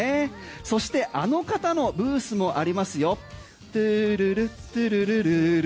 そしてあの方のブースもありますよ。